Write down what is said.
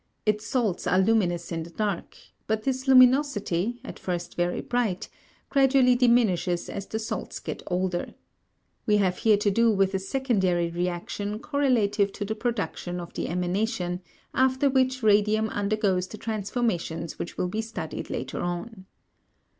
Its salts are luminous in the dark, but this luminosity, at first very bright, gradually diminishes as the salts get older. We have here to do with a secondary reaction correlative to the production of the emanation, after which radium undergoes the transformations which will be studied later on.